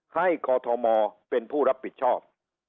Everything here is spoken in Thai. กอทมเป็นผู้รับผิดชอบ